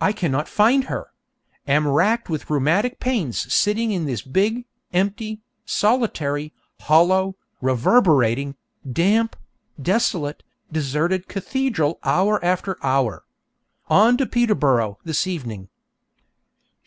I cannot find her! Am racked with rheumatic pains sitting in this big, empty, solitary, hollow, reverberating, damp, desolate, deserted cathedral hour after hour. On to Peterborough this evening.